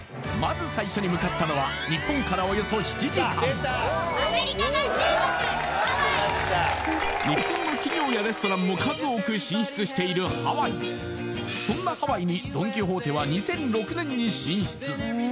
まず最初に向かったのは日本からおよそ７時間日本の企業やレストランも数多く進出しているハワイそんなハワイにドン・キホーテは２００６年に進出